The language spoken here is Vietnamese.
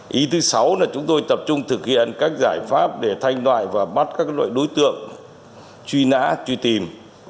ý thứ sáu là chúng tôi tập trung thực hiện các giải pháp để thanh loại và bắt các loại đối tượng truy nã truy tìm